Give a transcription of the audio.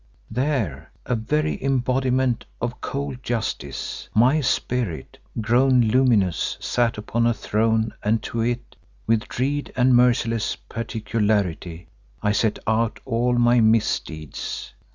There, a very embodiment of cold justice, my Spirit, grown luminous, sat upon a throne and to it, with dread and merciless particularity I set out all my misdeeds.